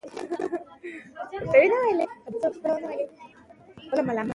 احمدشاه بابا خپل هېواد ته په بریالیتوب راستون شو.